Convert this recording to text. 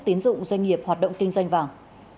tiến dụng doanh nghiệp hoạt động kinh doanh vàng